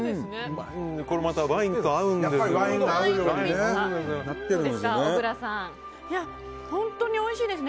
これまたワインと合うんですよ。